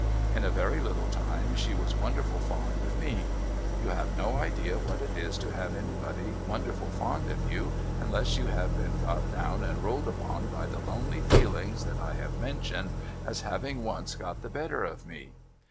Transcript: In a very little time she was wonderful fond of me. You have no idea what it is to have anybody wonderful fond of you, unless you have been got down and rolled upon by the lonely feelings that I have mentioned as having once got the better of me.